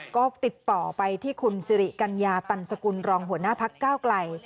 ก็ติดต่อไปที่คุณสิริกัญญาตันสกุลรองหัวหน้าพักก้าวไกล